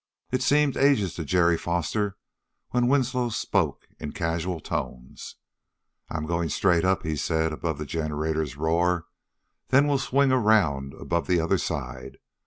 It seemed ages to Jerry Foster when Winslow spoke in casual tones. "I'm going straight up," he said, above the generator's roar. "Then we'll swing around above the other side.